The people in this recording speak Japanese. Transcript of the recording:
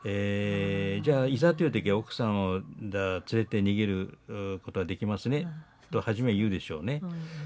じゃいざという時は奥さんを連れて逃げることはできますね」と初め言うでしょうね。